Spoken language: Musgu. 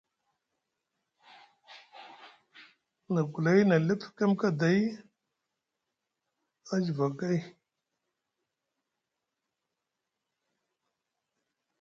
Na gulay na lefkem kaaday a juva gay.